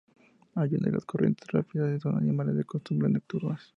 Huyen de las corrientes rápidas y son animales de costumbres nocturnas.